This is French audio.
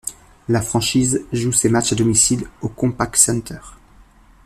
La franchise joue ses matchs à domicile au Compaq Center.